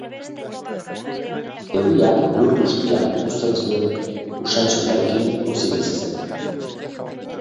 Euriak lur bustian uzten zuen usain soilarekin pozik bizi zen.